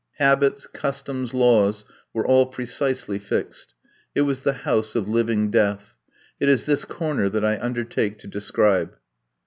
Habits, customs, laws, were all precisely fixed. It was the house of living death. It is this corner that I undertake to describe.